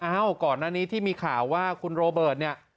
อ้าวก่อนอันนี้ที่มีข่าวว่าคุณโรเบิร์ต